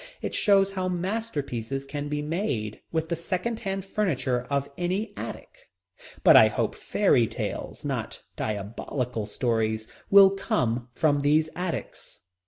It shows how masterpieces can be made, with the second hand furniture of any attic. But I hope fairy tales, not diabolical stories, will come from these attics.